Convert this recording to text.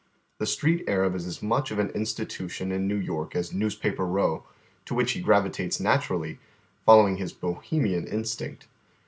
The Street Arab is as miieh of an institution in Kew York as Newspaper Eow, to which lie gravitates naturally, following his Bo hemian instinct.